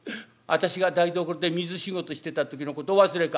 私が台所で水仕事してた時のことお忘れか？